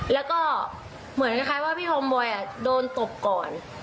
แล้วก็เหมือนคล้ายว่าพี่ธอมบอยโดนตบก่อน